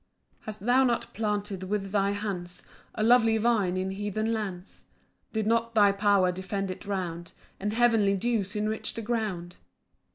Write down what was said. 5 Hast thou not planted with thy hands A lovely vine in heathen lands? Did not thy power defend it round, And heavenly dews enrich the ground?